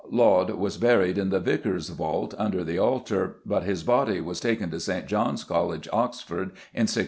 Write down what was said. Laud was buried in the Vicar's vault under the altar, but his body was taken to St. John's College, Oxford, in 1663.